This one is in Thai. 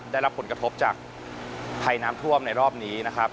ได้รับผลกระทบจากภัยน้ำท่วมในรอบนี้นะครับ